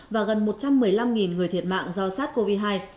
và gần một trăm một mươi năm người thiệt mạng do sars cov hai